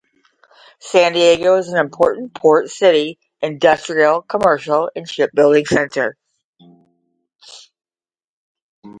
San Diego is an important port city, industrial, commercial, and shipbuilding center.